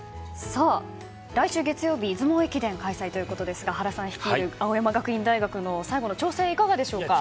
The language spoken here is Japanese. さあ、来週月曜日出雲駅伝開催ということですが原さん率いる青山学院大学の最後の調整いかがでしょうか。